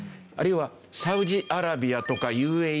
あるいはサウジアラビアとかＵＡＥ